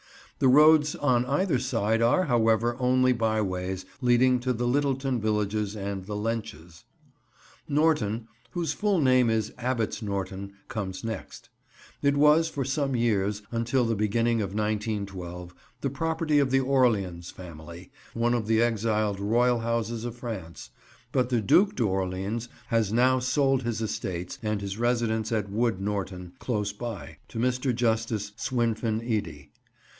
The roads on either side are, however, only byways, leading to the Littleton villages and the Lenches. Norton, whose full name is Abbot's Norton, comes next. It was for some years, until the beginning of 1912, the property of the Orleans family, one of the exiled Royal houses of France; but the Duc d'Orléans has now sold his estates and his residence at Wood Norton, close by, to Mr. Justice Swinfen Eady.